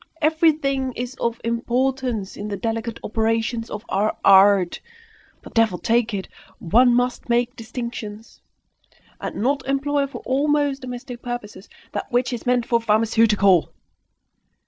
Everything is of importance in the delicate operations of our art! But, devil take it! one must make distinctions, and not employ for almost domestic purposes that which is meant for pharmaceutical!